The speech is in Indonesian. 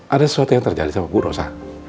ada sesuatu yang terjadi sama bu rosa